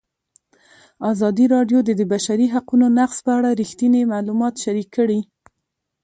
ازادي راډیو د د بشري حقونو نقض په اړه رښتیني معلومات شریک کړي.